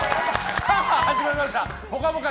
さあ、始まりました「ぽかぽか」